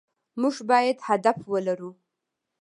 مونږ بايد هدف ولرو